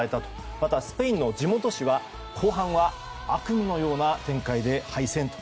またスペインの地元紙は後半は悪夢のような展開で敗戦と。